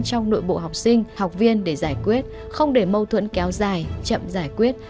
trong nội bộ học sinh học viên để giải quyết không để mâu thuẫn kéo dài chậm giải quyết